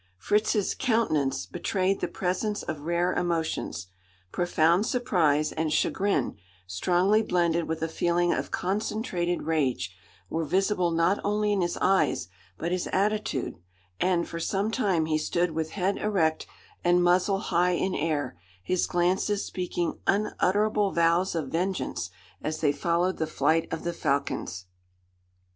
Fritz's "countenance" betrayed the presence of rare emotions. Profound surprise and chagrin strongly blended with a feeling of concentrated rage were visible not only in his eyes, but his attitude, and, for some time, he stood with head erect and muzzle high in air, his glances speaking unutterable vows of vengeance, as they followed the flight of the falcons.